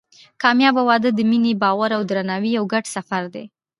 کامیابه واده د مینې، باور او درناوي یو ګډ سفر دی.